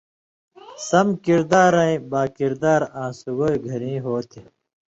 سم کردارَیں (باکردار) آں سُگائ گھریں ہو تھی۔